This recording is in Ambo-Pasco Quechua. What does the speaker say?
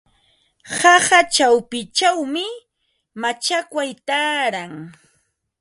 Qaqa chawpinchawmi machakway taaran.